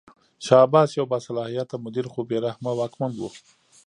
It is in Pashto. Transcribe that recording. شاه عباس یو باصلاحیته مدیر خو بې رحمه واکمن و.